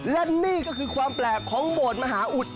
และนี่ก็คือความแปลกของโบสถ์มหาอุด